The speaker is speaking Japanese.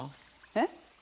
えっ？